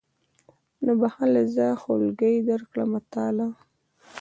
نو به هله زه خولګۍ درکړمه تاله.